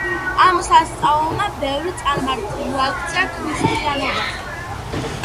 ამ სასწაულმა ბევრი წარმართი მოაქცია ქრისტიანობაზე.